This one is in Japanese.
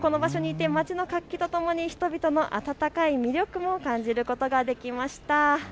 この場所にいて街の活気とともに人々の温かい魅力も感じることができました。